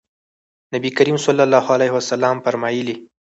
نبي کریم صلی الله علیه وسلم فرمایلي: